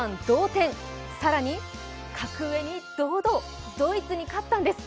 更に格上に堂々、ドイツに勝ったんです。